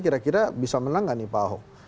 kira kira bisa menang nggak nih pak ahok